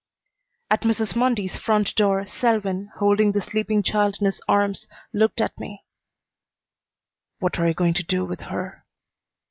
At Mrs. Mundy's front door Selwyn, holding the sleeping child in his arms, looked at me. "What are you going to do with her?"